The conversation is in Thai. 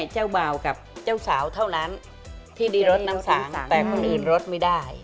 เจ้าสาวเท่านั้นที่ดีรสน้ำสางแต่คนอื่นรสไม่ได้